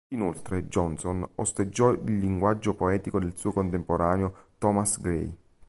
Inoltre, Johnson osteggiò il linguaggio poetico del suo contemporaneo Thomas Gray.